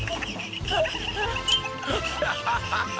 ハハハハ！